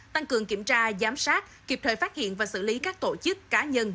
tăng cường kiểm tra giám sát kịp thời phát hiện và xử lý các tổ chức cá nhân